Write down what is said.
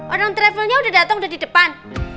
orang travelnya udah datang udah di depan